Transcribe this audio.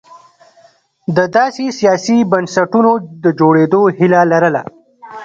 د داسې سیاسي بنسټونو د جوړېدو هیله لرله.